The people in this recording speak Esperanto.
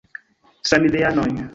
Samideanoj!